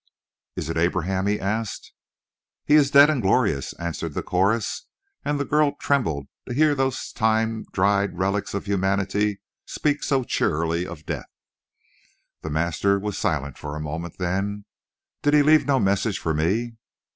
"It is Abraham?" he asked. "He is dead and glorious," answered the chorus, and the girl trembled to hear those time dried relics of humanity speak so cheerily of death. The master was silent for a moment, then: "Did he leave no message for me?"